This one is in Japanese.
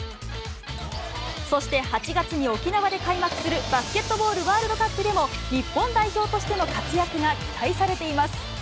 そして８月に沖縄で開幕するバスケットボールワールドカップでも、日本代表としての活躍が期待されています。